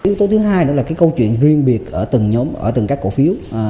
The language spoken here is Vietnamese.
yếu tố thứ hai là câu chuyện riêng biệt ở từng nhóm ở từng các cổ phiếu